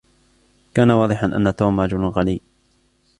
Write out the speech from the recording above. كان واضحا أن توم رجل غني.